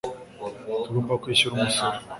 tugomba kwishyura umusoro